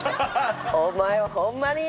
お前はホンマに。